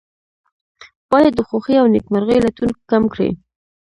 باید د خوښۍ او نیکمرغۍ لټون کم کړي.